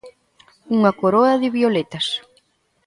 Unha coroa de Violetas.